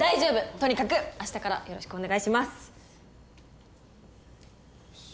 とにかく明日からよろしくお願いします。